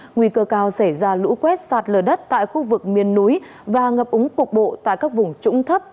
nguy cơ cao xảy ra lũ quét sạt lở đất tại khu vực miền núi và ngập úng cục bộ tại các vùng trũng thấp